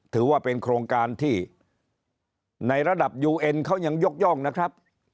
ถือว่าเป็นโครงการที่ในระดับยูเอ็นเขายังยกย่องนะครับ